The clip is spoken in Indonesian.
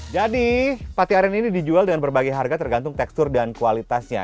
pate aren ini dijual dengan berbagai harga tergantung tekstur dan kualitasnya